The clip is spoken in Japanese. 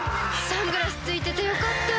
サングラスついててよかった。